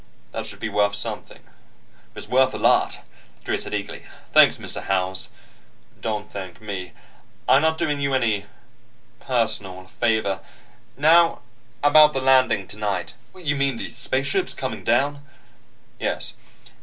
That should be worth something." "It's worth a lot," Jerry said eagerly. "Thanks, Mr. Howells." "Don't thank me, I'm not doing you any personal favor. Now about the landing tonight " "You mean the spaceship's coming down?" "Yes.